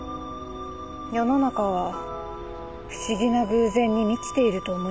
世の中は不思議な偶然に満ちていると思いますが。